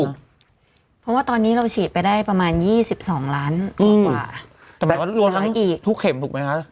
เพราะว่าตอนนี้เราฉีดไปได้ประมาณยี่สิบสองล้านกว่าแต่หมายว่ารวมทั้งอีกทุกเข็มถูกไหมคะ